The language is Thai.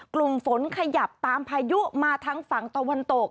กลุ่มฝนขยับตามพายุมาทั้งฝั่งตะวันตก